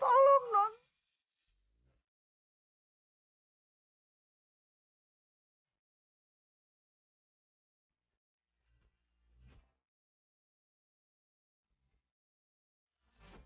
jangan sakitkan adit dandang